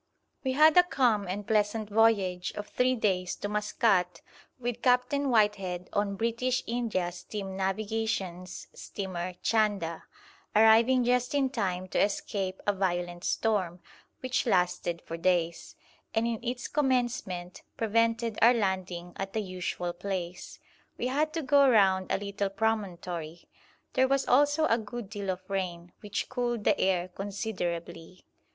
We had a calm and pleasant voyage of three days to Maskat with Captain Whitehead on the B.I.S.N. steamer Chanda, arriving just in time to escape a violent storm, which lasted for days, and in its commencement prevented our landing at the usual place. We had to go round a little promontory. There was also a good deal of rain, which cooled the air considerably.